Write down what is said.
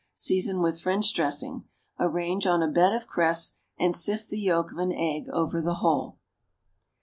Season with French dressing. Arrange on a bed of cress and sift the yolk of an egg over the whole.